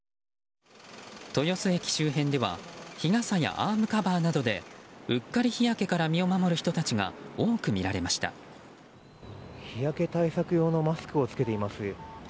豊洲駅周辺では日傘やアームカバーなどでうっかり日焼けから身を守る人たちが日焼け対策用のマスクを着けていますね。